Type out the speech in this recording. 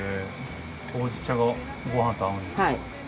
ほうじ茶がご飯と合うんですか。